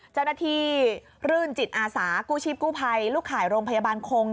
เจ้าหน้าที่รื่นจิตอาสากู้ชีพกู้ภัยลูกข่ายโรงพยาบาลคง